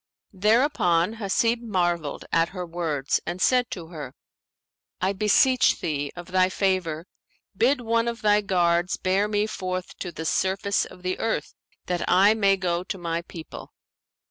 Thereupon Hasib marvelled at her words and said to her, "I beseech thee, of thy favour, bid one of thy guards bear me forth to the surface of the earth, that I may go to my people."